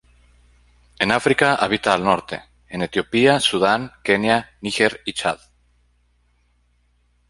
En África habita al norte, en Etiopía, Sudán, Kenia, Níger y Chad.